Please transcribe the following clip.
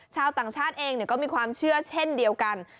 ชาวต่างชาติเองก็มีความเชื่อเช่นเดียวกัน